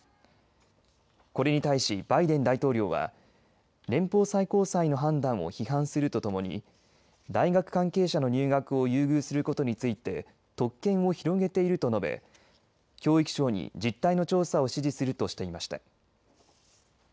これに対しバイデン大統領は連邦最高裁の判断を批判するとともに大学関係者の入学を優遇することについて特権を広げていると述べ教育省に実態の調査を指示するとしていました。